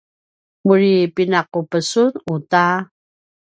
muri pinaqup sun uta!